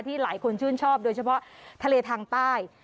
หลายคนชื่นชอบโดยเฉพาะทะเลทางใต้